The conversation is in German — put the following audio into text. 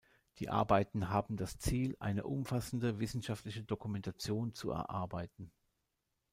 Die Arbeiten haben das Ziel, eine umfassende wissenschaftliche Dokumentation zu erarbeiten.